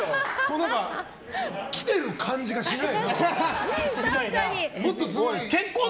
来てる感じがしない。